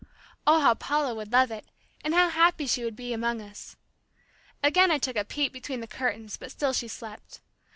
Oh, how Paula would love it, and how happy she would be among us! Again I took a peep between the curtains but still she slept.